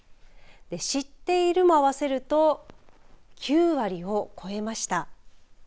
知っているも合わせると９割を超えました。